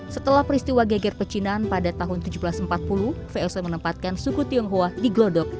setelah peristiwa geger pecinaan pada tahun seribu tujuh ratus empat puluh voc menempatkan suku tionghoa di glodok